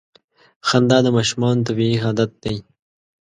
• خندا د ماشومانو طبیعي عادت دی.